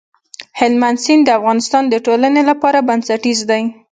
هلمند سیند د افغانستان د ټولنې لپاره بنسټيز دی.